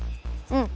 うん。